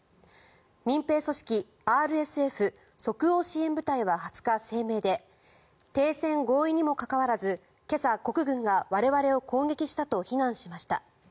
民兵組織ＲＳＦ・即応支援部隊は２０日、声明で停戦合意にもかかわらず今朝、国軍が我々を攻撃したと非難しました。